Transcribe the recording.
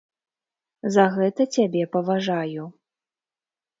За гэта цябе паважаю.